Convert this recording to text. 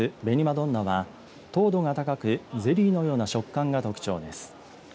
どんなは糖度が高く、ゼリーのような食感が特徴です。